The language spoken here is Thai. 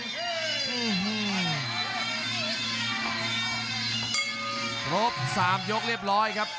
ครบ๓ยกเรียบร้อยครับ